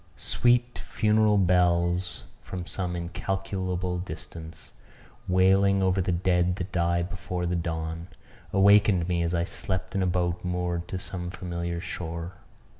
Sweet funeral bells from some incalculable distance, wailing over the dead that die before the dawn, awakened me as I slept in a boat moored to some familiar shore.